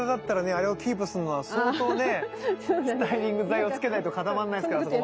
あれをキープすんのは相当ねスタイリング剤をつけないと固まんないですからあそこまで。